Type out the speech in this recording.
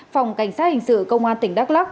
phòng cảnh sát hình sự công an tỉnh đắk lắc